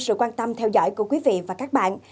sự quan tâm theo dõi của quý vị và các bạn